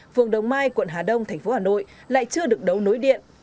phường đồng mai quận hà đông tp hà nội lại chưa được đấu nối điện